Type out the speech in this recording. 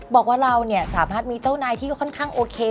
บอกว่าเราเนี่ยสามารถมีเจ้านายที่ค่อนข้างโอเค